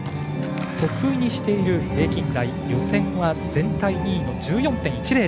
得意にしている平均台予選は全体２位の１４．１００。